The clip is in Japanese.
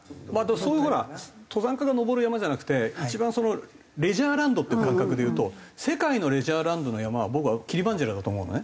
そういうほら登山家が登る山じゃなくて一番そのレジャーランドっていう感覚でいうと世界のレジャーランドの山は僕はキリマンジャロだと思うのね。